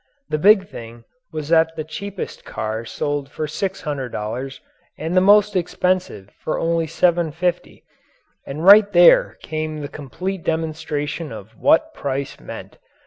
The big thing was that the cheapest car sold for $600 and the most expensive for only $750, and right there came the complete demonstration of what price meant.